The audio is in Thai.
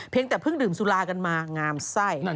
เพียงแต่เพิ่งดื่มสุรากันมางามใส่